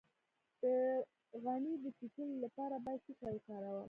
د غڼې د چیچلو لپاره باید څه شی وکاروم؟